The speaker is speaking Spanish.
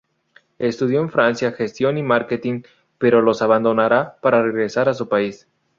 Estudió en Francia gestión y marketing pero los abandonará para regresar a su país.